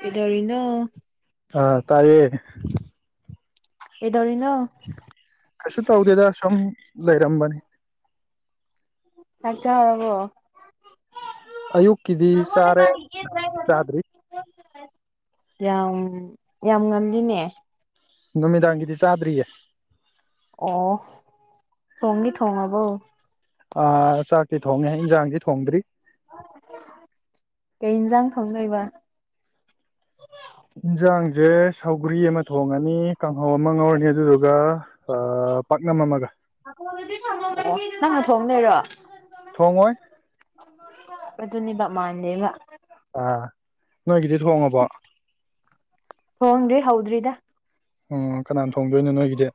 ꯀꯩꯗꯧꯔꯤꯅꯣ ꯑꯥ ꯇꯥꯏꯌꯦ ꯀꯩꯗꯧꯔꯤꯅꯣ ꯀꯩꯁꯨ ꯇꯧꯗꯦꯗ ꯁꯨꯝ ꯂꯩꯔꯝꯕꯅꯤ ꯆꯥꯛ ꯆꯥꯔꯕꯣ ꯑꯌꯨꯛꯀꯤꯗꯤ ꯆꯥꯔꯦ ꯆꯥꯗ꯭ꯔꯤ ꯌꯥꯝ ꯌꯥꯝ ꯉꯟꯂꯤꯅꯦ ꯅꯨꯃꯤꯗꯥꯡꯒꯤꯗꯤ ꯆꯥꯗ꯭ꯔꯤꯌꯦ ꯑꯣ ꯊꯣꯡꯗꯤ ꯊꯣꯡꯉꯥꯕꯣ ꯑꯥ ꯆꯥꯛꯇꯤ ꯊꯣꯡꯉꯦ ꯏꯟꯖꯥꯡꯗꯤ ꯊꯣꯡꯗ꯭ꯔꯤ ꯀꯩ ꯏꯟꯁꯥꯡ ꯊꯣꯡꯗꯣꯏꯕ ꯏꯟꯁꯥꯡꯁꯦ ꯁꯧꯒ꯭ꯔꯤ ꯑꯃ ꯊꯣꯡꯉꯅꯤ ꯀꯥꯡꯍꯧ ꯑꯃ ꯉꯧꯔꯅꯤ ꯑꯗꯨꯗꯨꯒ ꯑꯥ ꯄꯥꯛꯅꯝ ꯑꯃꯒ ꯑꯣ ꯅꯪꯅ ꯊꯣꯡꯗꯣꯏꯔꯣ ꯊꯣꯡꯉꯣꯏ ꯑꯗꯨꯅꯦꯕ ꯃꯥꯟꯗꯦꯕ ꯑꯥ ꯅꯣꯏꯒꯤꯗꯤ ꯊꯣꯡꯉꯥꯕꯣ ꯊꯣꯡꯗ꯭ꯉꯔꯤ ꯍꯧꯗ꯭ꯔꯤꯗ ꯑꯣ ꯀꯅꯥ ꯊꯣꯡꯗꯣꯏꯅꯣ ꯅꯣꯏꯒꯤꯗꯤ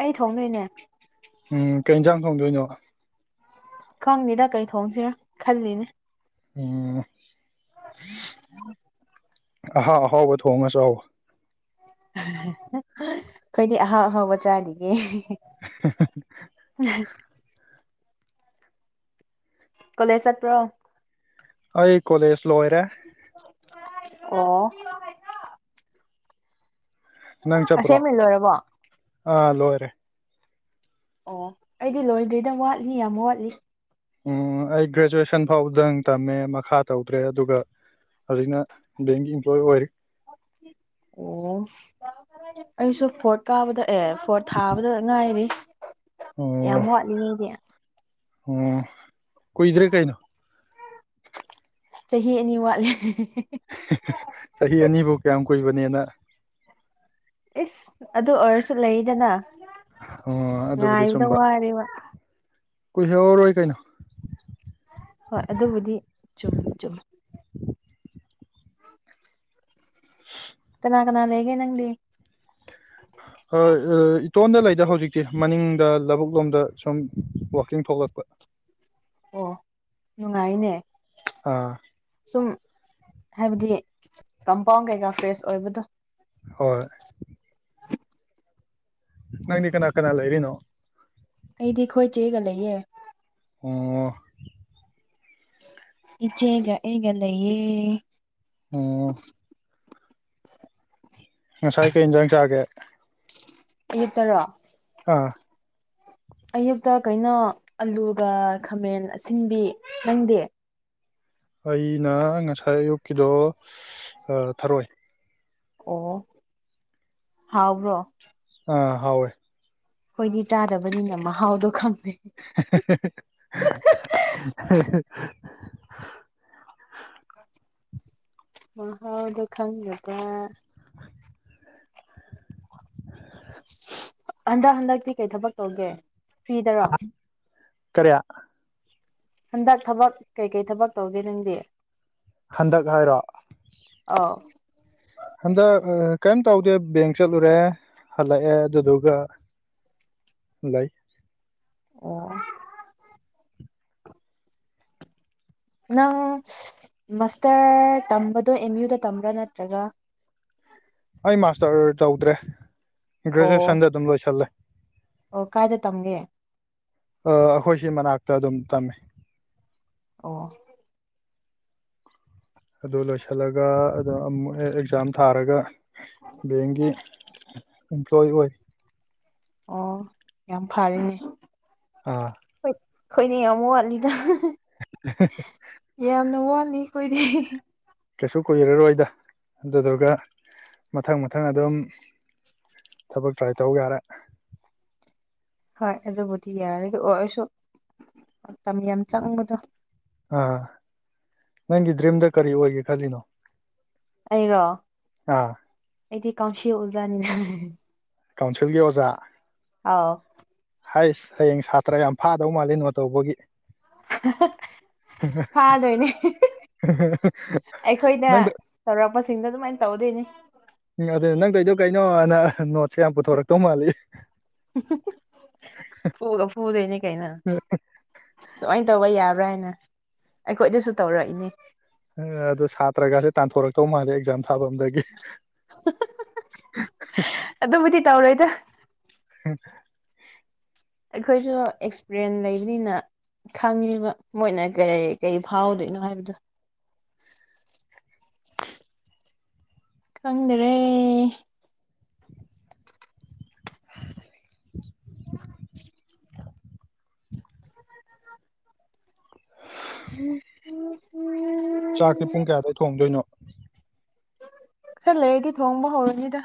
ꯑꯩ ꯊꯣꯡꯗꯣꯏꯅꯦ ꯎꯝ ꯀꯩ ꯏꯟꯁꯥꯡ ꯊꯣꯡꯗꯣꯏꯅꯣ ꯈꯪꯗꯦꯗ ꯀꯩ ꯊꯣꯡꯁꯤꯔ ꯈꯜꯂꯤꯅꯦ ꯎꯝ [unintelligible] ꯑꯍꯥꯎ ꯑꯍꯥꯎꯕ ꯊꯣꯡꯉ ꯆꯥꯎꯋꯣ ꯑꯩꯈꯣꯏꯗꯤ ꯑꯍꯥꯎ ꯑꯍꯥꯎꯕ ꯆꯥꯗꯤꯌꯦ [unintelligible] [inaudible] ꯀꯣꯂꯦꯖ ꯆꯠꯄ꯭ꯔꯣ ꯑꯩ ꯀꯣꯂꯦꯖ ꯂꯣꯏꯔꯦ ꯑꯣ ꯅꯪ ꯆꯠꯄ꯭ꯔꯣ ꯑꯁꯦꯡꯕꯩ ꯂꯣꯏꯔꯕꯣ ꯑꯥ ꯂꯣꯏꯔꯦ ꯑꯣ ꯑꯩꯗꯤ ꯂꯣꯏꯗ꯭ꯔꯤꯗ ꯋꯥꯠꯂꯤ ꯌꯥꯝ ꯋꯥꯠꯂꯤ ꯎꯝ ꯑꯩ ꯒ꯭ꯔꯦꯖꯨꯑꯦꯁꯟ ꯐꯥꯎꯕꯗꯪ ꯇꯝꯃꯦ ꯃꯈꯥ ꯇꯧꯗ꯭ꯔꯦ ꯑꯗꯨꯒ ꯍꯧꯖꯤꯛꯅ ꯕꯦꯛꯒꯤ ꯏꯝꯄ꯭ꯂꯣꯏ ꯑꯣꯏꯔꯤ ꯑꯣ ꯑꯩꯁꯨ ꯐꯣꯔꯠ ꯀꯥꯕꯗ ꯑꯦ ꯐꯣꯔꯠ ꯊꯥꯕꯗ ꯉꯥꯏꯔꯤ ꯌꯥꯝ ꯑꯣ ꯋꯥꯠꯂꯤꯅꯦ ꯑꯩꯗꯤ ꯑꯣ ꯀꯨꯏꯗ꯭ꯔꯦ ꯀꯩꯅꯣ ꯆꯍꯤ ꯑꯅꯤ ꯋꯥꯠꯂꯤ ꯆꯍꯤ ꯑꯅꯤꯕꯨ ꯀꯌꯥꯝ ꯀꯨꯏꯕꯅꯦꯅ ꯏꯁ ꯑꯗꯨ ꯑꯣꯏꯔꯁꯨ ꯂꯩꯗꯅ ꯑꯣ ꯑꯗꯨꯕꯨꯗꯤ ꯉꯥꯏꯕꯗ ꯆꯨꯝꯕ ꯋꯥꯔꯦꯕ ꯀꯨꯏꯍꯧꯔꯔꯣꯏ ꯀꯩꯅꯣ ꯍꯣꯏ ꯑꯗꯨꯕꯨꯗꯤ ꯆꯨꯝ ꯆꯨꯝ ꯀꯅꯥ ꯀꯅꯥ ꯂꯩꯒꯦ ꯅꯪꯗꯤ ꯍꯣ ꯑ ꯏꯇꯣꯟꯗ ꯂꯩꯗ ꯍꯧꯖꯤꯛꯇꯤ ꯃꯅꯤꯡꯗ ꯂꯧꯕꯨꯛ ꯂꯣꯝꯗ ꯁꯨꯝ ꯋꯥꯛꯀꯤꯡ ꯊꯣꯛꯂꯛꯄ ꯑꯣ ꯅꯨꯡꯉꯥꯏꯅꯦ ꯑꯥ ꯁꯨꯝ ꯍꯥꯏꯕꯗꯤ ꯀꯝꯄꯥꯎꯟ ꯀꯩꯀꯥ ꯐ꯭ꯔꯦꯁ ꯑꯣꯏꯕꯗꯣ ꯍꯣꯏ ꯅꯪꯗꯤ ꯀꯅꯥ ꯀꯅꯥ ꯂꯩꯔꯤꯅꯣ ꯑꯩꯗꯤ ꯑꯩꯈꯣꯏ ꯆꯦꯒ ꯂꯩꯌꯦ ꯑꯣ ꯏꯆꯦꯒ ꯑꯩꯒ ꯂꯩꯌꯦ ꯑꯣ ꯉꯁꯥꯏ ꯀꯩ ꯏꯟꯖꯥꯡ ꯆꯥꯒꯦ ꯑꯌꯨꯛꯇꯔꯣ ꯑꯥ ꯑꯌꯨꯛꯇ ꯀꯩꯅꯣ ꯑꯂꯨꯒ ꯈꯥꯃꯦꯟ ꯑꯁꯤꯟꯕꯤ ꯅꯪꯗꯤ ꯑꯩꯅ ꯉꯁꯥꯏ ꯑꯌꯨꯛꯀꯤꯗꯣ ꯑꯥ ꯊꯥꯔꯣꯏ ꯑꯣ ꯍꯥꯎꯕ꯭ꯔꯣ ꯑ ꯍꯥꯎꯋꯦ ꯈꯣꯏꯗꯤ ꯆꯥꯗꯕꯅꯤꯅ ꯃꯍꯥꯎꯗꯣ ꯈꯪꯗꯦ [inaudible] ꯃꯍꯥꯎꯗꯨ ꯈꯪꯗꯕ ꯍꯟꯗꯛ ꯍꯟꯗꯛꯇꯤ ꯀꯩ ꯊꯕꯛ ꯇꯧꯒꯦ ꯐ꯭ꯔꯤꯗꯔꯣ ꯀꯔꯤ ꯍꯟꯗꯛ ꯊꯕꯛ ꯀꯩꯀꯩ ꯊꯕꯛ ꯇꯧꯒꯦ ꯅꯪꯗꯤ ꯍꯟꯗꯛ ꯍꯥꯏꯔꯣ ꯑꯧ ꯍꯟꯗꯛ ꯑꯥ ꯀꯩꯝ ꯇꯧꯗꯦ ꯕꯦꯡ ꯆꯠꯂꯨꯔꯦ ꯍꯜꯂꯛꯑꯦ ꯗꯨꯗꯨꯒ ꯂꯩ ꯑꯣ ꯅꯪ ꯃꯥꯁꯇꯔ ꯇꯝꯕꯗꯣ ꯑꯦꯝ ꯌꯨꯗ ꯇꯝꯕ꯭ꯔꯥ ꯅꯠꯇ꯭ꯔꯒ ꯑꯩ ꯃꯥꯁꯇꯔ ꯇꯧꯗ꯭ꯔꯦ ꯑꯣ ꯒ꯭ꯔꯦꯖꯨꯑꯦꯁꯟꯗ ꯑꯗꯨꯝ ꯂꯣꯏꯁꯜꯂꯦ ꯑꯣ ꯀꯥꯏꯗ ꯇꯝꯒꯦ ꯑ ꯑꯩꯈꯣꯏ ꯁꯤ ꯃꯅꯥꯛꯇ ꯑꯗꯨꯝ ꯇꯝꯃꯦ ꯑꯣ ꯑꯗꯨ ꯂꯣꯏꯁꯜꯂꯒ ꯑꯗ ꯑꯃꯨꯛ ꯍꯦꯛ ꯑꯦꯛꯖꯥꯝ ꯊꯥꯔꯒ ꯕꯦꯡꯒꯤ ꯏꯝꯄꯂ꯭ꯣꯏ ꯑꯣꯏ ꯑꯣ ꯌꯥꯝ ꯐꯥꯔꯦꯅꯦ ꯑꯥ [unintelligible] ꯈꯣꯏꯅꯤ ꯌꯥꯝ ꯋꯥꯠꯂꯤꯗ [unintelligible] ꯌꯥꯝꯅ ꯋꯥꯠꯂꯤ ꯈꯣꯏꯗꯤ ꯀꯩꯁꯨ ꯀꯨꯏꯔꯔꯣꯏꯗ ꯑꯗꯨꯗꯨꯒ ꯃꯊꯪ ꯃꯊꯪ ꯑꯗꯨꯝ ꯊꯕꯛ ꯇ꯭ꯔꯥꯏ ꯇꯧ ꯌꯥꯔꯦ ꯍꯣꯏ ꯑꯗꯨꯕꯨꯗꯤ ꯌꯥꯔꯒ ꯑꯣ ꯑꯩꯁꯨ ꯃꯇꯝ ꯌꯥꯝ ꯆꯪꯕꯗꯣ ꯑꯥ ꯅꯪꯒꯤ ꯗ꯭ꯔꯤꯝꯗ ꯀꯔꯤ ꯑꯣꯏꯒꯦ ꯈꯜꯂꯤꯅꯣ ꯑꯩꯔꯣ ꯑꯥ ꯑꯩꯗꯤ ꯀꯥꯎꯁꯤ ꯑꯣꯖꯥꯅꯤꯅ ꯀꯥꯎꯟꯁꯤꯜꯒꯤ ꯑꯣꯖꯥ ꯑꯧ ꯍꯥꯏꯁ ꯍꯌꯦꯡ ꯁꯥꯇ꯭ꯔ ꯌꯥꯝ ꯐꯥꯗꯧ ꯃꯥꯜꯂꯦ ꯅꯣꯠ ꯇꯧꯕꯒꯤ ꯐꯥꯗꯣꯏꯅꯦ ꯑꯩꯈꯣꯏꯗ ꯅꯪꯗ ꯇꯧꯔꯛꯁꯤꯡꯗꯣ ꯑꯗꯨꯃꯥꯏꯟ ꯇꯧꯗꯣꯏꯅꯤ ꯎ ꯑꯗ ꯅꯪ ꯇꯣꯏꯗꯣ ꯀꯩꯅꯣꯅ ꯍ ꯅꯣꯠ ꯁ ꯌꯥꯝ ꯄꯨꯊꯣꯔꯛꯇꯧ ꯃꯥꯜꯂꯤ ꯐꯨꯒ [unintelligible] ꯁꯨꯃꯥꯏꯟ ꯇꯧꯕ ꯌꯥꯕ꯭ꯔꯥ ꯍꯥꯏꯅ ꯑꯩꯈꯣꯏꯗꯁꯨ ꯇꯧꯔꯛꯏꯅꯦ ꯑꯗꯨ ꯁꯥꯇ꯭ꯔꯒꯁꯦ ꯇꯥꯟꯊꯣꯔꯛꯇꯧ ꯃꯥꯜꯂꯦ ꯑꯦꯛꯖꯥꯝ ꯊꯥꯕꯝꯗꯒꯤ [unintelligible] ꯑꯗꯨꯕꯨꯗꯤ ꯇꯧꯔꯣꯏꯗ [unintelligible] ꯑꯩꯈꯣꯏꯁꯨ ꯑꯦꯛꯁꯄ꯭ꯔꯤꯑꯦꯟ ꯂꯩꯕꯅꯤꯅ ꯈꯪꯉꯤꯕ ꯃꯣꯏꯅ ꯀꯔꯤ ꯀꯩ ꯐꯥꯎꯗꯣꯏꯅꯣ ꯍꯥꯏꯕꯗꯨ ꯈꯪꯗꯔꯦ [unintelligible] ꯆꯥꯛꯇꯤ ꯄꯨꯡ ꯀ꯭ꯌꯥ ꯑꯗꯨꯋꯥꯏ ꯊꯣꯡꯗꯣꯏꯅꯣ ꯍꯦꯛ ꯂꯩꯔꯗꯤ ꯊꯣꯡꯕ ꯍꯧꯔꯅꯤꯗ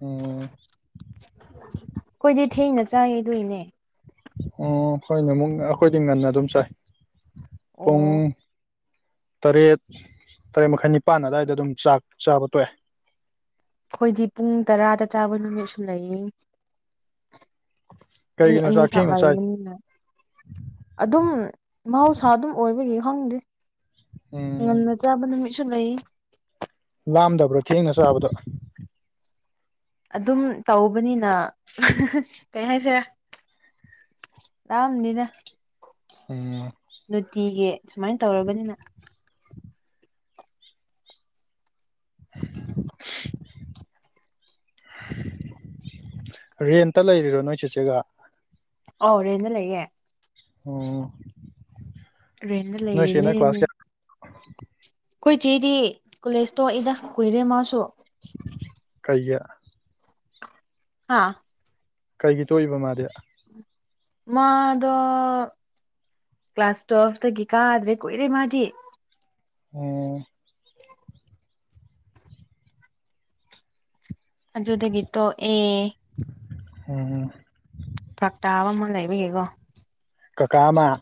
ꯎꯝ ꯈꯣꯏꯗꯤ ꯊꯦꯡꯅ ꯆꯥꯏ ꯑꯗꯨꯏꯅꯦ ꯑꯣ ꯍꯣꯏꯅꯦ ꯃꯨꯛꯅ ꯑꯈꯣꯏꯗꯤ ꯉꯟꯅ ꯑꯗꯨꯝ ꯆꯥꯏ ꯑꯣ ꯄꯨꯡ ꯇꯔꯦꯠ ꯇꯔꯦꯠ ꯃꯈꯥꯏ ꯅꯤꯄꯥꯟ ꯑꯗ꯭ꯋꯥꯏꯗ ꯑꯗꯨꯝ ꯆꯥꯛ ꯆꯥꯕ ꯇꯣꯛꯑꯦ ꯈꯣꯏꯗꯤ ꯄꯨꯡ ꯇꯔꯥꯗ ꯆꯥꯕ ꯅꯨꯃꯤꯠꯁꯨ ꯂꯩꯌꯦ ꯃꯤ ꯀꯩꯒꯤꯅꯣ ꯆꯥꯛ ꯑꯅꯤꯈꯛ ꯊꯦꯡꯅ ꯆꯥꯏ ꯂꯩꯕꯅꯤꯅ ꯑꯗꯨꯝ ꯃꯍꯧꯁꯥ ꯑꯗꯨꯝ ꯑꯣꯏꯕꯒꯤ ꯍꯪꯗꯦ ꯎꯝ ꯉꯟꯅ ꯆꯥꯕ ꯅꯨꯃꯤꯠꯁꯨ ꯂꯩ ꯂꯥꯝꯗꯕ꯭ꯔꯣ ꯊꯦꯡꯅ ꯆꯥꯕꯗꯣ ꯑꯗꯨꯝ ꯇꯧꯕꯅꯤꯅ ꯀꯩ ꯍꯥꯏꯁꯤꯔ ꯂꯥꯝꯗꯦꯗ ꯎꯝ ꯅꯨꯇꯤꯒꯤ ꯁꯨꯃꯥꯏꯟ ꯇꯧꯔꯕꯅꯤꯅ [inaudible] ꯔꯦꯟꯇ ꯂꯩꯔꯤꯔꯣ ꯅꯣꯏ ꯆꯦꯆꯦꯒ ꯑꯧ ꯔꯦꯟꯅ ꯂꯩꯌꯦ ꯑꯣ ꯔꯦꯟꯅ ꯂꯩꯔꯤꯅꯦ ꯈꯣꯏ ꯆꯦꯗꯤ ꯀꯣꯂꯦꯖ ꯇꯣꯛꯏꯗ ꯀꯨꯏꯔꯦ ꯃꯥꯁꯨ ꯀꯩꯒꯤ ꯍꯥꯥ ꯀꯩꯒꯤ ꯇꯣꯛꯏꯕ ꯃꯥꯗꯤ ꯃꯥꯗꯣ ꯀ꯭ꯂꯥꯁ ꯇꯨꯋꯦꯜꯐꯇꯥꯒꯤ ꯀꯥꯗ꯭ꯔꯦ ꯀꯨꯏꯔꯦ ꯃꯥꯗꯤ ꯎꯝ ꯑꯗꯨꯗꯒꯤ ꯇꯣꯛꯑꯦ ꯎꯝ ꯐ꯭ꯔꯛ ꯇꯥꯕ ꯑꯃ ꯂꯩꯕꯤꯒꯦꯀꯣ ꯀꯀꯥ ꯑꯃ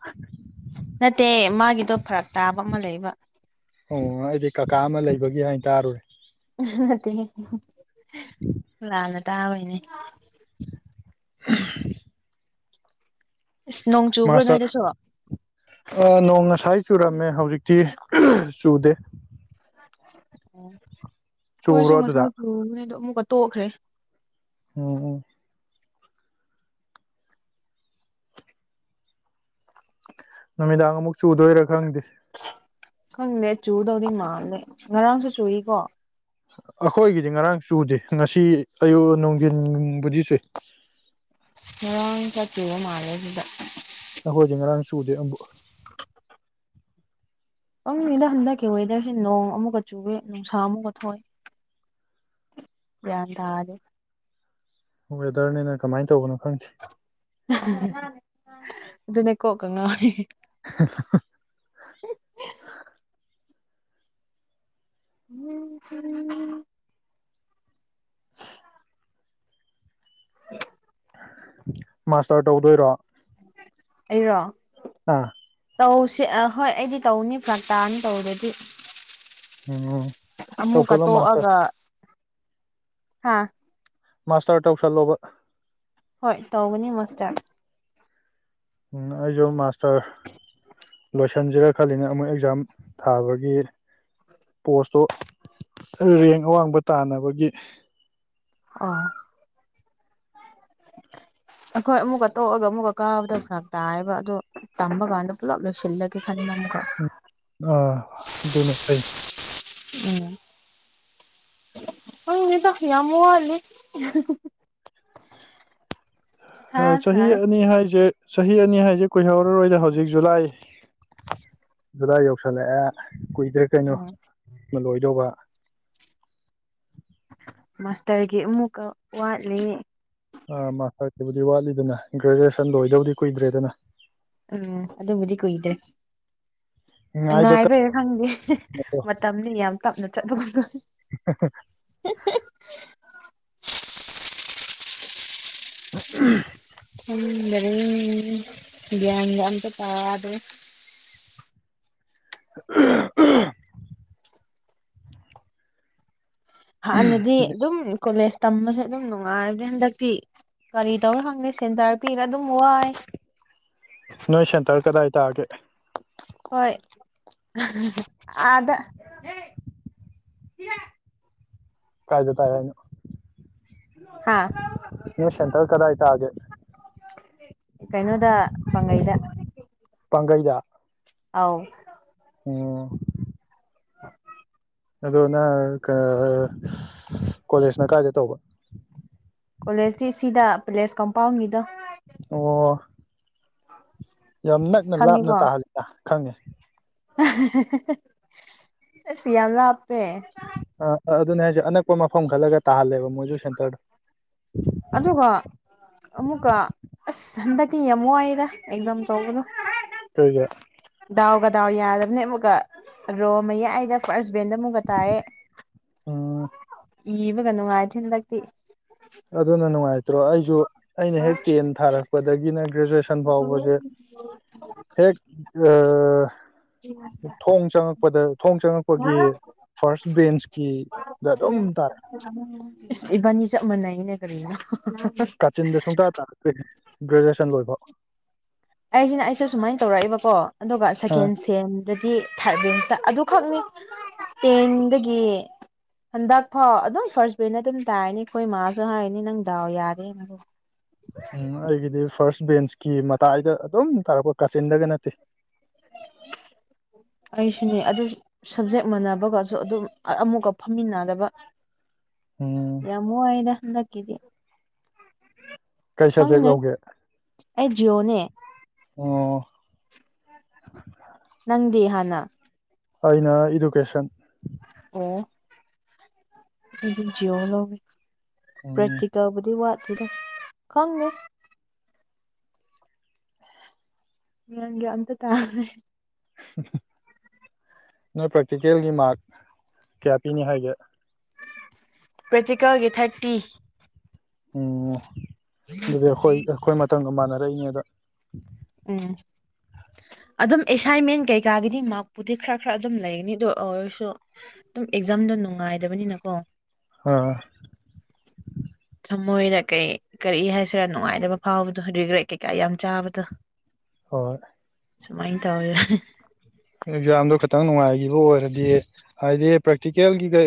ꯅꯠꯇꯦ ꯃꯥꯒꯤꯗꯣ ꯐꯔꯛ ꯇꯥꯕ ꯑꯃ ꯂꯩꯕ ꯑꯣ ꯑꯩꯗꯤ ꯀꯀꯥ ꯑꯃ ꯂꯩꯕꯒꯤ ꯍꯥꯏꯅ ꯇꯥꯔꯨꯔꯦ ꯑꯥ ꯅꯠꯇꯦꯍꯦ [inaudible] ꯂꯥꯟꯅ ꯇꯥꯕꯩꯅꯦ [unintelligible] ꯏꯁ ꯅꯣꯡ ꯆꯨꯕ꯭ꯔꯣ ꯅꯣꯏꯗꯁꯨ ꯑꯥ ꯅꯣꯡ ꯉꯁꯥꯏ ꯆꯨꯔꯝꯃꯦ ꯍꯧꯖꯤꯛꯇꯤ ꯆꯨꯗꯦ ꯑꯣ ꯈꯣꯏꯁꯨ ꯆꯨꯕ꯭ꯔꯣ ꯑꯗꯨꯗ ꯉꯁꯥꯏ ꯆꯨꯋꯦ ꯑꯗꯣ ꯑꯃꯨꯛꯀꯥ ꯇꯣꯛꯈ꯭ꯔꯦ ꯑꯣ ꯑꯣ ꯅꯨꯃꯤꯗꯥꯡ ꯑꯃꯨꯛ ꯆꯨꯗꯣꯏꯔꯥ ꯈꯪꯗꯦ ꯈꯪꯗꯦ ꯆꯨꯗꯧꯗꯤ ꯃꯥꯜꯂꯦ ꯉꯔꯥꯡꯁꯨ ꯆꯨꯏꯀꯣ ꯑꯩꯈꯣꯏꯒꯤꯗꯤ ꯉꯔꯥꯡ ꯆꯨꯗꯦ ꯉꯁꯤ ꯑꯌꯨꯛ ꯅꯨꯡꯗꯤꯟꯕꯨꯗꯤ ꯆꯨꯏ ꯉꯔꯥꯡ ꯈꯔ ꯆꯨꯕ ꯃꯥꯜꯂꯦ ꯑꯗꯨꯗ ꯑꯈꯣꯏꯗꯤ ꯉꯔꯥꯡ ꯆꯨꯗꯦ ꯑꯝꯕꯨꯛ ꯄꯪꯗꯦꯗ ꯍꯟꯗꯛꯀꯤ ꯋꯦꯗꯔꯁꯤ ꯅꯣꯡ ꯑꯃꯨꯛꯀꯥ ꯆꯨꯋꯦ ꯅꯨꯡꯁꯥ ꯑꯃꯨꯛꯀꯥ ꯊꯣꯛꯑꯦ ꯒ꯭ꯌꯥꯟ ꯇꯥꯗꯦ ꯋꯦꯗꯔꯅꯦꯅ ꯀꯃꯥꯏꯟ ꯇꯧꯕꯅꯣ ꯈꯪꯗꯦ ꯑꯗꯨꯅꯦ ꯀꯣꯛꯀꯥ ꯉꯥꯎꯋꯤ [unintelligible] ꯍꯝ [inaudible] ꯃꯥꯁꯇꯔ ꯇꯧꯗꯣꯏꯔꯣ ꯑꯩꯔꯣ ꯑꯥ ꯇꯧꯁꯦ ꯑꯥ ꯍꯣꯏ ꯑꯩꯗꯤ ꯇꯧꯅꯤ ꯐ꯭ꯥꯔꯛ ꯇꯥꯅꯤ ꯇꯧꯗꯔꯥꯗꯤ ꯎꯝ ꯑꯃꯨꯀꯥ ꯇꯧꯁꯜꯂꯣ ꯃꯥꯁꯇꯔ ꯇꯣꯛꯑꯒꯥ ꯍꯥꯥ ꯃꯥꯁꯇꯔ ꯇꯧꯁꯜꯂꯣꯕ ꯍꯣꯏ ꯇꯧꯒꯅꯤ ꯃꯥꯁꯇꯔ ꯎꯝ ꯑꯩꯖꯨ ꯃꯥꯁꯇꯔ ꯂꯣꯏꯁꯤꯟꯖꯤꯔꯥ ꯈꯜꯂꯤꯅꯦ ꯑꯃꯨꯛ ꯑꯦꯛꯖꯥꯝ ꯊꯥꯕꯒꯤ ꯄꯣꯁꯇꯣ ꯔꯦꯡ ꯑꯋꯥꯡꯕ ꯇꯥꯟꯅꯕꯒꯤ ꯑꯣ ꯑꯈꯣꯏ ꯑꯃꯨꯛꯀꯥ ꯇꯣꯛꯑꯥꯒ ꯑꯃꯨꯛꯀꯥ ꯀꯥꯕꯗꯣ ꯐꯔꯛ ꯇꯥꯏꯕ ꯑꯗꯣ ꯇꯝꯕ ꯀꯥꯟꯗꯥ ꯄꯨꯂꯞ ꯂꯣꯏꯁꯤꯟꯂꯥꯒꯦ ꯈꯟꯕꯥ ꯑꯃꯨꯛꯀꯥ ꯎꯝ ꯑꯥ ꯑꯗꯨꯅ ꯐꯩ ꯎꯝ ꯈꯪꯗꯦꯗꯥ ꯌꯥꯝ ꯋꯥꯠꯂꯤ ꯃꯊꯥ ꯍꯥ ꯆꯍꯤ ꯁꯥꯏ ꯑꯅꯤ ꯍꯥꯏꯖꯦ ꯆꯍꯤ ꯑꯅꯤ ꯍꯥꯏꯖꯦ ꯀꯨꯏꯍꯧꯔꯥꯔꯣꯏꯗ ꯍꯧꯖꯤꯛ ꯖꯨꯂꯥꯏ ꯖꯨꯂꯥꯏ ꯌꯧꯁꯜꯂꯛꯑꯦ ꯀꯨꯏꯗ꯭ꯔꯦ ꯀꯩꯅꯣ ꯎꯝ ꯂꯣꯏꯗꯧꯕ ꯃꯥꯁꯇꯔꯒꯤ ꯑꯃꯨꯛꯀꯥ ꯋꯥꯠꯂꯤ ꯑꯥ ꯃꯥꯁꯇꯔꯒꯤꯕꯨꯗꯤ ꯋꯥꯠꯂꯤꯗꯅ ꯒ꯭ꯔꯦꯖꯨꯑꯦꯁꯟ ꯂꯣꯏꯗꯧꯗꯤ ꯀꯨꯏꯗ꯭ꯔꯦꯗꯥꯅ ꯎꯝ ꯑꯗꯨꯕꯨꯗꯤ ꯀꯨꯏꯗ꯭ꯔꯦ ꯉꯥꯏꯕ ꯉꯥꯏꯕꯩꯔꯥ ꯈꯪꯗꯦ ꯀꯟꯕꯗꯣ ꯃꯇꯝꯗꯤ ꯌꯥꯝ ꯇꯞꯅ ꯆꯠꯄꯥꯒꯨꯝ ꯇꯧꯋꯤ [unintelligible] [unintelligible] ꯎꯝ ꯈꯪꯗꯔꯦ ꯒꯌꯥꯟꯒꯥ ꯑꯃꯇꯥ ꯇꯥꯗꯥꯔꯦ [unintelligible] ꯍꯥꯟꯅꯗꯤ ꯑꯗꯨꯝ ꯀꯣꯂꯦꯖ ꯇꯝꯕꯁꯦ ꯑꯗꯨꯝ ꯅꯨꯡꯉꯥꯏꯕꯅꯤ ꯍꯟꯗꯛꯇꯤ ꯀꯔꯤ ꯇꯧꯔ ꯈꯪꯗꯦ ꯁꯦꯟꯇꯔ ꯄꯤꯔ ꯑꯗꯨꯝ ꯋꯥꯏ ꯅꯣꯏ ꯁꯦꯟꯇꯔ ꯀꯗꯥꯏ ꯇꯥꯒꯦ ꯍꯣꯏ ꯑꯥꯗꯥ ꯀꯥꯏꯗ ꯇꯥꯏ ꯍꯥꯏꯅꯣ ꯍꯥ ꯅꯣꯏ ꯁꯦꯟꯇ꯭ꯔ ꯀꯗꯥꯏ ꯇꯥꯒꯦ ꯀꯩꯅꯣꯗꯥ ꯄꯥꯡꯒꯩꯗꯥ ꯄꯥꯡꯒꯩꯗꯥ ꯑꯥꯎ ꯑꯣ [unintelligible] ꯑꯗꯣ ꯅꯪ ꯀꯥ ꯀꯣꯂꯦꯖꯅ ꯀꯥꯏꯗ ꯇꯧꯕ ꯀꯣꯂꯦꯖꯇꯤ ꯁꯤꯗ ꯄꯦꯂꯦꯁ ꯀꯝꯄꯥꯎꯟꯒꯤꯗꯣ ꯑꯣ ꯌꯥꯝ ꯅꯛꯅꯥ ꯂꯥꯞꯅ ꯈꯪꯉꯤꯀꯣ ꯇꯥꯍꯟꯂꯤꯗꯥ ꯈꯪꯉꯤ ꯑꯁ ꯌꯥꯝ ꯂꯥꯞꯄꯦ ꯑꯥ ꯑꯗꯨꯅꯦ ꯍꯥꯏꯁꯦ ꯑꯅꯛꯄꯥ ꯃꯥꯐꯝ ꯈꯜꯂꯒ ꯇꯥꯍꯜꯂꯦꯕ ꯃꯣꯏꯖꯨ ꯁꯦꯟꯇꯔꯗꯣ ꯑꯗꯨꯒꯥ ꯑꯃꯨꯛꯀꯥ ꯑꯁ ꯍꯟꯗꯛꯇꯤ ꯌꯥꯝ ꯋꯥꯏꯌꯦꯗꯥ ꯑꯦꯛꯖꯥꯝ ꯇꯧꯕꯗꯣ ꯀꯩꯒꯤ ꯗꯥꯎꯒꯥ ꯗꯥꯎ ꯌꯥꯗꯕꯅꯦ ꯑꯃꯨꯛꯀꯥ ꯔꯣ ꯃꯌꯥꯏꯗꯥ ꯐꯥꯔꯁ ꯕꯦꯟꯁꯗꯥ ꯑꯃꯨꯛꯀꯥ ꯇꯥꯏꯑꯦ ꯎꯝ ꯏꯕꯥꯒ ꯅꯨꯡꯉꯥꯏꯇ꯭ꯔꯦ ꯍꯟꯗꯛꯇꯤ ꯑꯗꯨꯅ ꯅꯨꯡꯉꯥꯏꯇ꯭ꯔꯣ ꯑꯩꯁꯨ ꯑꯩꯅ ꯍꯦꯛ ꯇꯦꯟ ꯊꯥꯔꯛꯄꯗꯒꯤꯅ ꯒ꯭ꯔꯦꯖꯨꯑꯦꯁꯟ ꯁꯟ ꯐꯥꯎꯕꯖꯦ ꯍꯦꯛ ꯑ ꯊꯣꯡ ꯆꯪꯉꯛꯄꯗ ꯊꯣꯡ ꯆꯪꯉꯛꯄꯒꯤ ꯐꯥꯔꯁ ꯕꯦꯟꯁꯀꯤꯗ ꯑꯗꯨꯝ ꯇꯥꯔꯛꯏ ꯏꯁ ꯏꯕꯥꯅꯤ ꯆꯞ ꯃꯏꯅꯩꯅꯦ ꯀꯔꯤꯅꯣ [unintelligible] [unintelligible] ꯀꯥꯆꯤꯟꯗ ꯁꯨꯡꯇꯥ ꯇꯥꯔꯛꯇꯩ ꯒ꯭ꯔꯦꯖꯨꯑꯦꯁꯟ ꯂꯣꯏꯕꯧ ꯑꯩꯁꯤꯅ ꯑꯩꯁꯨ ꯁꯨꯃꯥꯏꯅ ꯇꯧꯔꯛꯏꯕꯀꯣ ꯑꯗꯨꯒ ꯁꯀꯦꯟ ꯑ ꯁꯦꯟ ꯗꯗꯤ ꯊꯥꯔꯠ ꯕꯦꯟꯁꯇ ꯑꯗꯨꯈꯛꯅꯤ ꯇꯦꯟꯗꯒꯤ ꯍꯟꯗꯛ ꯐꯥꯎ ꯑꯗꯨꯝ ꯐꯥꯔꯁ ꯕꯦꯅ ꯑꯗꯨꯝ ꯇꯥꯔꯅꯤ ꯑꯈꯣꯏ ꯏꯃꯥꯖꯨ ꯍꯥꯏꯔꯅꯤ ꯅꯪ ꯗꯥꯎ ꯌꯥꯗꯦꯅ ꯎꯝ ꯑꯩꯒꯤꯗꯤ ꯐꯥꯔꯁ ꯕꯦꯟꯁꯀꯤ ꯃꯇꯥꯏꯗ ꯑꯗꯨꯝ ꯇꯥꯔꯛꯄ ꯀꯥꯆꯤꯟꯗꯒ ꯅꯠꯇꯦ ꯑꯩꯁꯨꯅꯦ ꯑꯗꯨ ꯁꯕꯖꯦꯛ ꯃꯥꯟꯅꯕꯒꯁꯨ ꯑꯗꯨꯝ ꯑꯃꯨꯛꯀ ꯐꯝꯃꯤꯟꯅꯗꯕ꯫ ꯎꯝ ꯌꯥꯝ ꯋꯥꯏꯗ ꯍꯟꯗꯛꯀꯤꯗꯤ ꯀꯩ ꯁꯕꯖꯦꯛ ꯈꯪꯗ꯭ꯔꯦ ꯂꯧꯒꯦ ꯑꯩ ꯖꯤꯌꯣꯅꯦ ꯑꯣ ꯅꯪꯗꯤ ꯍꯥꯟꯅ ꯑꯩꯅ ꯏꯗꯨꯀꯦꯁꯟ ꯑꯣ ꯑꯩꯗꯤ ꯖꯤꯌꯣ ꯂꯧꯏ ꯎꯝ ꯄ꯭ꯔꯛꯇꯤ ꯇꯧꯕꯗꯤ ꯋꯥꯠꯇꯦꯗ ꯈꯪꯗꯦ [unintelligible] ꯑꯝꯇ ꯇꯥꯗꯦ ꯅꯣꯏ ꯄ꯭ꯔꯥꯛꯇꯤꯀꯦꯜꯒꯤ ꯃꯥꯛ ꯀꯌꯥ ꯄꯤꯅꯤ ꯍꯥꯏꯒꯦ ꯄ꯭ꯔꯦꯇꯤꯀꯜꯒꯤ ꯊꯥꯔꯇꯤ ꯎꯝ ꯑꯗꯨꯗꯤ ꯑꯈꯣꯏ ꯑꯈꯣꯏ ꯃꯇꯝꯒ ꯃꯥꯟꯅꯔꯛꯏꯅꯦ ꯗ ꯎꯝ ꯑꯗꯨꯝ ꯑꯦꯁꯥꯏꯟꯃꯦꯟ ꯀꯩꯀꯥꯒꯤꯗꯤ ꯃꯥꯛꯄꯨꯗꯤ ꯈꯔ ꯈꯔ ꯑꯗꯨꯝ ꯂꯩꯒꯅꯤ ꯑꯗꯨ ꯑꯣꯏꯔꯁꯨ ꯑꯗꯨꯝ ꯑꯦꯛꯖꯥꯝꯗꯣ ꯅꯨꯡꯉꯥꯏꯗꯕꯅꯤꯅꯀꯣ ꯍꯥ [inaudible] ꯊꯃꯣꯏꯗ ꯀꯩ ꯀꯔꯤ ꯍꯥꯏꯁꯤꯔꯥ ꯅꯨꯡꯉꯥꯏꯗꯕ ꯐꯥꯎꯕꯗꯣ ꯔꯤꯒ꯭ꯔꯦꯠ ꯀꯩꯀꯥ ꯌꯥꯝ ꯆꯥꯕꯗꯣ ꯍꯣꯏ ꯁꯨꯃꯥꯏꯅ ꯇꯧꯋꯦ ꯑꯦꯛꯖꯥꯝꯗꯣ ꯈꯇꯪ ꯅꯨꯡꯉꯥꯏꯒꯤꯕ ꯑꯣꯏꯔꯗꯤ ꯍꯥꯏꯗꯤ ꯄ꯭ꯔꯦꯛꯇꯤꯀꯦꯜꯒꯤꯒ